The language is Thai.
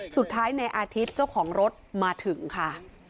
สุดท้ายในอาทิตย์เจ้าของรถมาถึงค่ะ